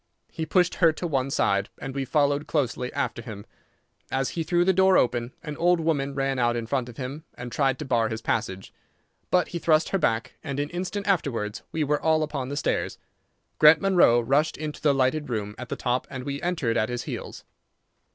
He pushed her to one side, and we followed closely after him. As he threw the door open an old woman ran out in front of him and tried to bar his passage, but he thrust her back, and an instant afterwards we were all upon the stairs. Grant Munro rushed into the lighted room at the top, and we entered at his heels.